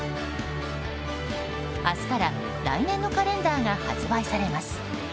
明日から来年のカレンダーが発売されます。